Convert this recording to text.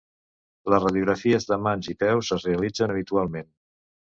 Les radiografies de mans i peus es realitzen habitualment.